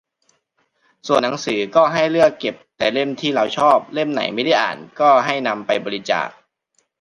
ส่วนหนังสือก็ให้เลือกเก็บแต่เล่มที่เราชอบ เล่มไหนไม่ได้อ่านก็ให้นำไปบริจาค